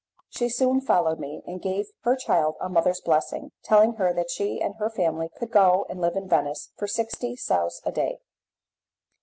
She soon followed me, and gave her child a mother's blessing, telling her that she and her family could go and live in Venice for sixty sous a day.